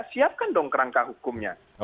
siapkan dong kerangka hukumnya